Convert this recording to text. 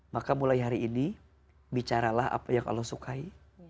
maka mulai hari ini bicaralah apa yang allah sukai